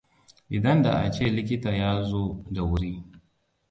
Idan da ace likita ya zo da wuri.